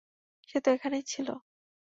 সে তো এখানেই ছিল?